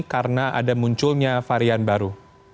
karena ada munculnya varian baru